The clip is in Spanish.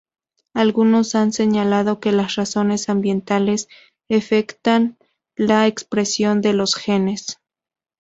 Algunos han señalado que las razones ambientales afectan la expresión de los genes.